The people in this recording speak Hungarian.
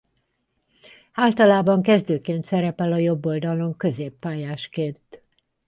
Általában kezdőként szerepel a jobb oldalon középpályásként.